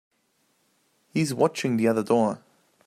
He's watching the other door.